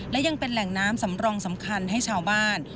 และยังเป็นแหล่งน้ำสำรองสำคัญให้ชาวบ้าน